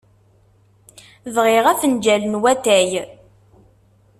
Bɣiɣ afenjal n watay.